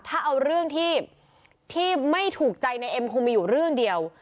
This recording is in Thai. ถ้าเอาเรื่องที่ไม่ถูกใจในเอ็มคงมีอยู่เรื่องเดียว